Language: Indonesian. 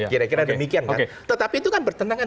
kira kira demikian kan tetapi itu kan bertentangan